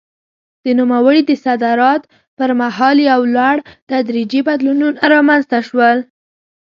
د نوموړي د صدارت پر مهال یو لړ تدریجي بدلونونه رامنځته شول.